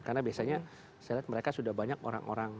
karena biasanya saya lihat mereka sudah banyak orang orang